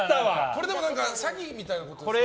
これ詐欺みたいなことですか？